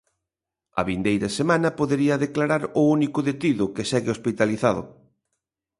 A vindeira semana podería declarar o único detido, que segue hospitalizado.